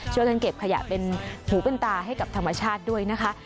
ช่วยกันเก็บขยะเป็นหูเป็นตาให้กับธรรมชาติด้วยนะคะ